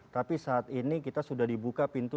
tapi saat ini kita sudah dibuka pintu